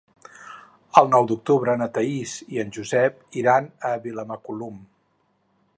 El nou d'octubre na Thaís i en Josep iran a Vilamacolum.